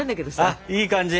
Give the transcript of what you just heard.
あいい感じ！